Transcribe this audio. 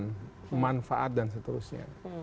pemanfaat dan seterusnya